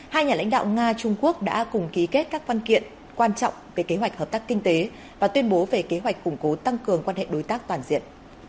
hai nhà lãnh đạo nga trung quốc đã cùng ký kết các văn kiện quan trọng về kế hoạch hợp tác kinh tế và tuyên bố về kế hoạch củng cố tăng cường quan hệ đối tác toàn diện